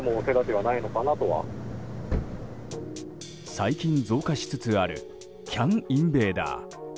最近、増加しつつあるＣＡＮインベーダー。